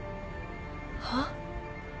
はっ？